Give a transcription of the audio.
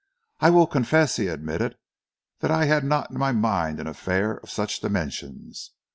"I will confess," he admitted, "that I had not in my mind an affair of such dimensions.